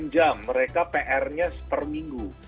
dua sembilan jam mereka pr nya per minggu